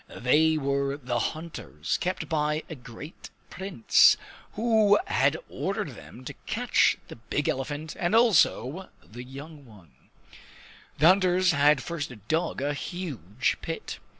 They were the hunters kept by a great Prince, who had ordered them to catch the big elephant and also the young one. The hunters had first dug a huge pit.